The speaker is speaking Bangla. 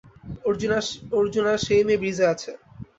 অর্জুন আর সেই মেয়ে ব্রিজে আছে।